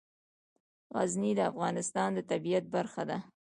غزني د افغانستان د طبیعت برخه ده.